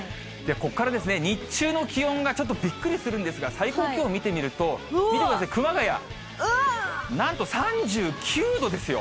ここからですね、日中の気温がちょっとびっくりするんですが、最高気温見てみると、見てください、熊谷、なんと３９度ですよ。